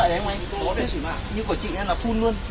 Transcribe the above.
như của chị em là full luôn